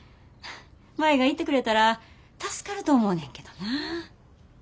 舞が行ってくれたら助かると思うねんけどな。